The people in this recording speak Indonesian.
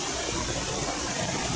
kota yang terkenal dengan